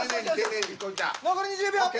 残り２０秒。